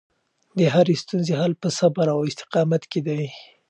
د هرې ستونزې حل په صبر او استقامت کې دی.